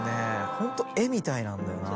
ホント絵みたいなんだよな。